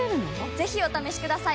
ぜひお試しください！